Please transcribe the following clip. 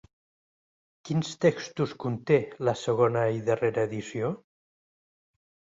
Quins textos conté la segona i darrera edició?